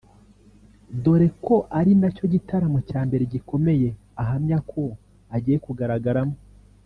dore ko ari nacyo gitaramo cya mbere gikomeye ahamya ko agiye kugaragaramo